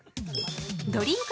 ドリンク